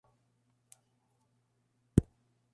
A suburb of Tulsa, it is located predominantly in Tulsa County.